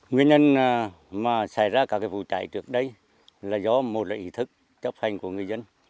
nguyên nhân mà xảy ra các vụ cháy trước đây là do một là ý thức chấp hành của người dân